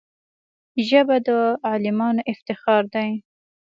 ژبه د عالمانو افتخار دی